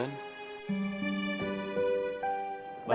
karena kamu sudah berusaha